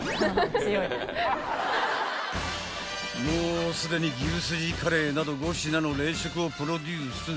［もうすでに牛すじカレーなど５品の冷食をプロデュース］